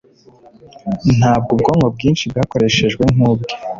ntabwo ubwonko bwinshi bwakoreshejwe nkubwe